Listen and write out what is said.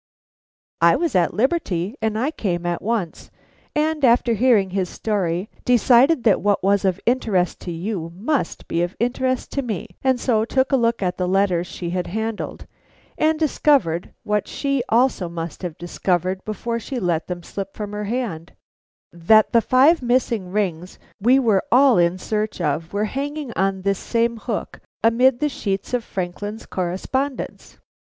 I was at liberty, and I came at once, and, after hearing his story, decided that what was of interest to you must be of interest to me, and so took a look at the letters she had handled, and discovered, what she also must have discovered before she let them slip from her hand, that the five missing rings we were all in search of were hanging on this same hook amid the sheets of Franklin's correspondence.